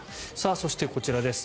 そして、こちらです。